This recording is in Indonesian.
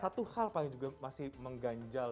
satu hal pak yang juga masih mengganjal